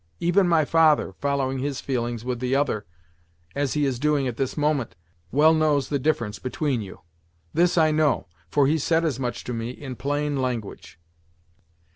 Even my father, following his feelings with the other, as he is doing at this moment, well knows the difference between you. This I know, for he said as much to me, in plain language."